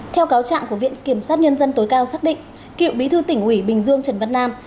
theo cáo trạng của viện kiểm sát nhân dân tối cao xác định cựu bí thư tỉnh ủy bình dương trần văn nam